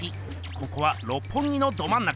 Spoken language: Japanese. ここは六本木のどまん中。